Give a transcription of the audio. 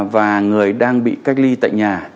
và người đang bị cách ly tại nhà